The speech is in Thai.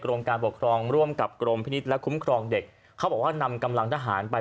การปกครองร่วมกับกรมพินิษฐ์และคุ้มครองเด็กเขาบอกว่านำกำลังทหารไป